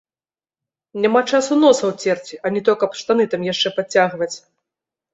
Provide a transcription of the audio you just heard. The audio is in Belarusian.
Няма часу носа ўцерці, а не то каб штаны там яшчэ падцягваць.